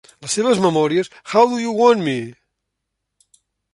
Les seves memòries, "How Do You Want Me?".